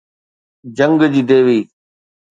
جنگ جي ديوي